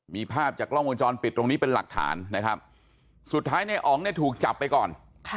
มีภาพจากกล้องวงจรปิดตรงนี้เป็นหลักฐานนะครับสุดท้ายในอ๋องเนี่ยถูกจับไปก่อน